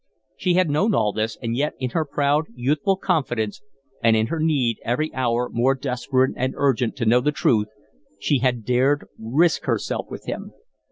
She had known all this; and yet, in her proud, youthful confidence, and in her need, every hour more desperate and urgent, to know the truth, she had dared risk herself with him.